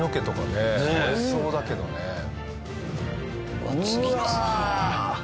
うわ次々。